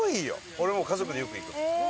俺も家族でよく行く。